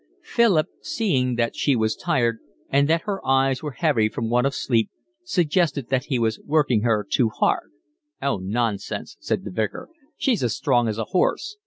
Philip, seeing that she was tired and that her eyes were heavy from want of sleep, suggested that he was working her too hard. "Oh, nonsense," said the Vicar, "she's as strong as a horse."